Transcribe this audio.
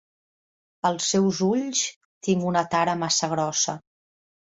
Als seus ulls, tinc una tara massa grossa.